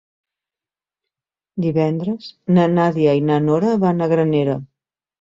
Divendres na Nàdia i na Nora van a Granera.